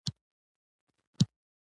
بوټونه د چرم، پلاسټیک، او ټوکر نه جوړېږي.